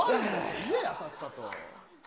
言えや、さっさと。